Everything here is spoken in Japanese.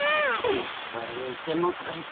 それにしてもこいつ。